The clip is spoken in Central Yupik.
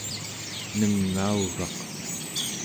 nengaugaq